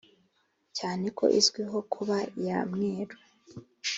cyane ko izwiho kuba iya mweru